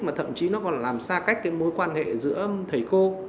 mà thậm chí nó còn làm xa cách cái mối quan hệ giữa thầy cô